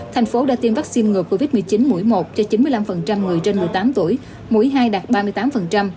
thành phố đã tiêm vaccine ngừa covid một mươi chín mũi một cho chín mươi năm người trên một mươi tám tuổi mũi hai đạt ba mươi tám